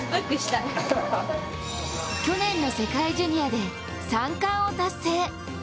去年の世界ジュニアで三冠を達成。